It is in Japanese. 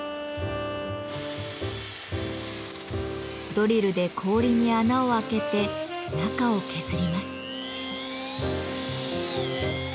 ドリルで氷に穴を開けて中を削ります。